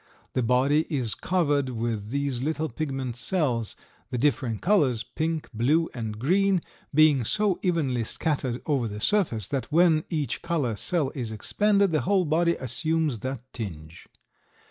The body is covered with these little pigment cells, the different colors—pink, blue and green—being so evenly scattered over the surface than when each color cell is expanded the whole body assumes that tinge.